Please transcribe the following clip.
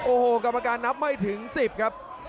โอ้โหกรรมการนับไม่ถึง๑๐ครับ